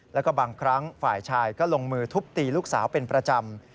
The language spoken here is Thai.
แล้วก็บางครั้งฝ่ายชายก็ลงมือทุบตีลูกสาวเป็นประจำ